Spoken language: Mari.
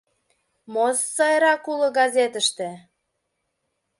Мо сайрак уло газетыште?